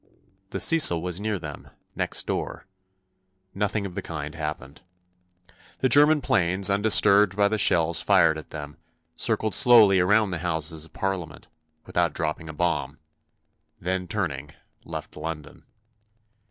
The Cecil was near them—next door. Nothing of the kind happened. The German planes, undisturbed by the shells fired at them, circled slowly around the Houses of Parliament, without dropping a bomb; then, turning, left London.